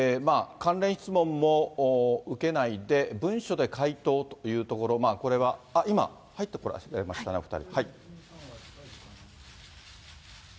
関連質問も受けないで文書で回答というところ、これは、今、入ってこられましたね、お２人。